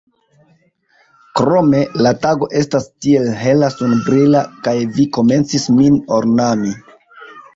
Krome, la tago estas tiel hela, sunbrila, kaj vi komencis min ornami.